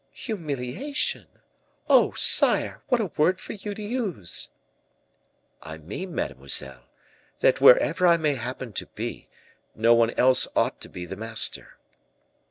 "Humiliation? oh! sire, what a word for you to use!" "I mean, mademoiselle, that wherever I may happen to be, no one else ought to be the master.